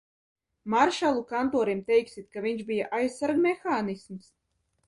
Maršalu kantorim teiksit, ka viņš bija aizsargmehānisms?